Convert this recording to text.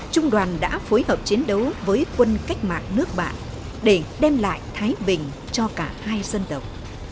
trung đoàn đã phối hợp chiến đấu với quân cách mạng nước bạn để đem lại thái bình cho cả hai dân tộc